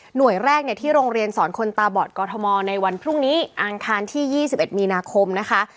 แรกที่โรงเรียนสอนคนตาบอดกอทมในวันพรุ่งนี้อังคารที่๒๑มีนาคมนะคะ